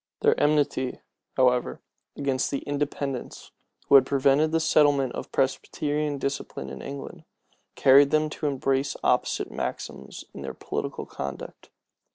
Their enmity, however, against the Independents, who had prevented the settlement of Presbyterian discipline in England, carried them to embrace opposite maxims in their political conduct.